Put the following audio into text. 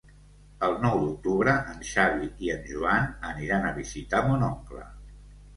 El nou d'octubre en Xavi i en Joan aniran a visitar mon oncle.